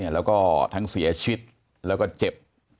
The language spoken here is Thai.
แล้วก็ทั้งเสียชีวิตแล้วก็เจ็บ